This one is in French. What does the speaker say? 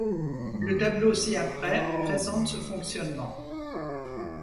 Le tableau ci-après présente ce fonctionnement.